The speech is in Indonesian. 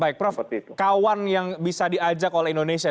baik prof kawan yang bisa diajak oleh indonesia